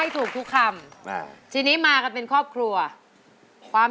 ใบเตยเลือกใช้ได้๓แผ่นป้ายตลอดทั้งการแข่งขัน